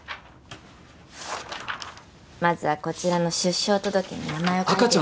まずはこちらの出生届に名前を書いて頂いて。